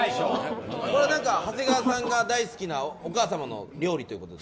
これは長谷川さんが大好きなお母様の料理ということで。